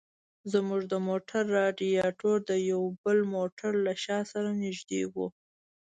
زموږ د موټر رادیاټور د یو بل موټر له شا سره نږدې و.